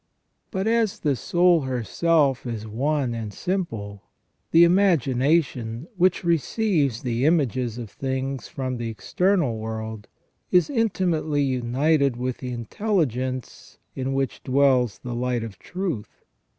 But as the soul herself is one and simple, the imagination, which receives the images of things from the external world is intimately united with the intelligence in which dwells the light of truth.